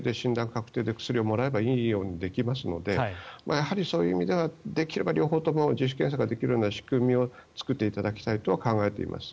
確定で薬をもらえばいいようにできますのでそういう意味でできれば両方とも自主検査ができるような仕組みを作っていただきたいとは考えています。